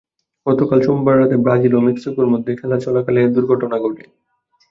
গতকাল সোমবার রাতে ব্রাজিল ও মেক্সিকোর মধ্যে খেলা চলাকালে এ দুর্ঘটনা ঘটে।